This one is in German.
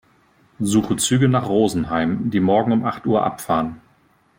Suche Züge nach Rosenheim, die morgen um acht Uhr abfahren.